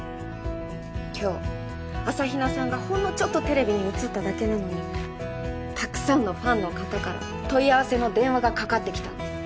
今日朝比奈さんがほんのちょっとテレビに映っただけなのにたくさんのファンの方から問い合わせの電話がかかってきたんです。